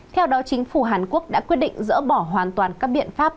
theo đó chính phủ hàn quốc đã quyết định dỡ bỏ hoàn toàn các biện pháp